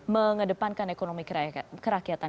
mengedepankan ekonomi kerakyatan